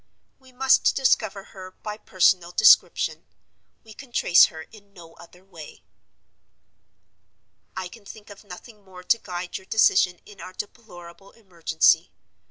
We must discover her by personal description—we can trace her in no other way. "I can think of nothing more to guide your decision in our deplorable emergency.